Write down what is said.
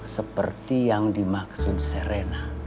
seperti yang dimaksud serena